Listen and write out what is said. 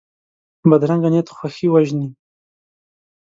بدرنګه نیت خوښي وژني